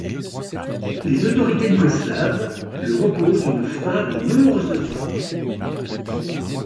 Les autorités yougoslaves leur opposent une fin de non-recevoir.